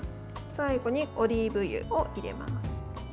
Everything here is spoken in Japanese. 最後にオリーブ油を入れます。